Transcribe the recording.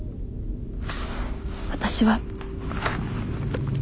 私は